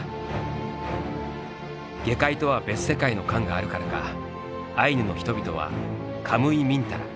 下界とは別世界の感があるからかアイヌの人々は「カムイミンタラ」